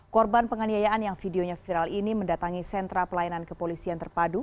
korban penganiayaan yang videonya viral ini mendatangi sentra pelayanan kepolisian terpadu